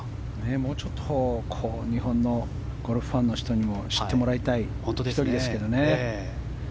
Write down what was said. もうちょっと日本のゴルフファンの人にも知ってもらいたい１人ですけどね。